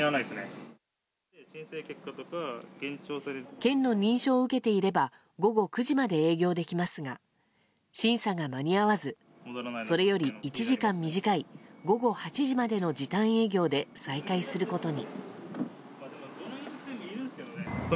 県の認証を受けていれば午後９時まで営業できますが審査が間に合わずそれより１時間短い午後８時までの時短営業で再開することに。